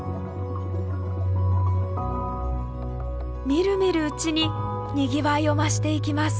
みるみるうちににぎわいを増していきます。